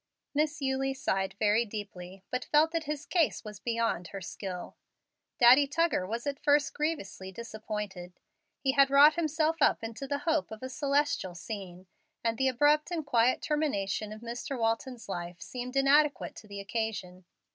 Miss Eulie sighed very deeply, but felt that his case was beyond her skill. Daddy Tuggar was at first grievously disappointed. He had wrought himself up into the hope of a celestial scene, and the abrupt and quiet termination of Mr. Walton's life seemed inadequate to the occasion.